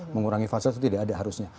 mengurangi fasilitas itu tidak ada harusnya